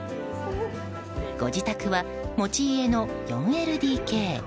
ご自宅は持ち家の４ＬＤＫ。